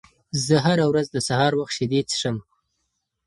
زه هره ورځ د سهار وخت شیدې څښم.